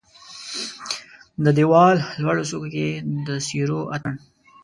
د د یوالونو لوړو څوکو کې د سیورو اټن